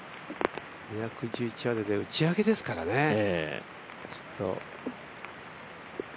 ２１１ヤードで打ち上げですからね、ちょっと。